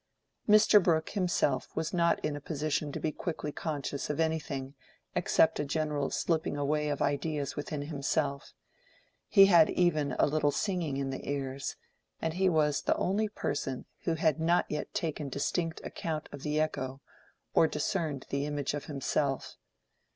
Mr. Brooke himself was not in a position to be quickly conscious of anything except a general slipping away of ideas within himself: he had even a little singing in the ears, and he was the only person who had not yet taken distinct account of the echo or discerned the image of himself.